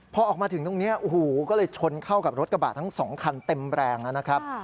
พอออกมาถึงตรงนี้โอ้โหก็เลยชนเข้ากับรถกระบะทั้งสองคันเต็มแรงนะครับ